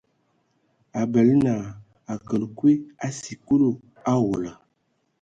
A bələ na a kələ kui a sikulu owola.